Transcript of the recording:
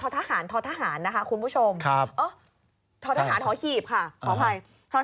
ท้อทหารนะคะคุณผู้ชมท้อทหารหขีบค่ะขออภัย